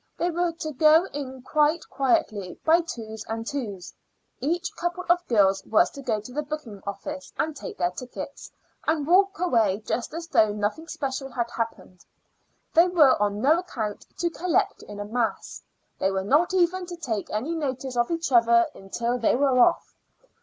They were to go in quite quietly by twos and twos; each couple of girls was to go to the booking office and take their tickets, and walk away just as though nothing special had happened. They were on no account to collect in a mass. They were not even to take any notice of each other until they were off.